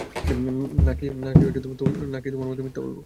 নাকি তোমার মতো মিথ্যা বলব?